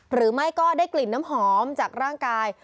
หรือไม่ก็ได้กลิ่นน้ำหอมจากร่างกาย